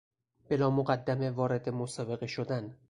بلامقدمه وارد مسابقه شدن